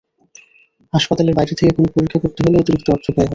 হাসপাতালের বাইরে থেকে কোনো পরীক্ষা করতে হলে অতিরিক্ত অর্থ ব্যয় হয়।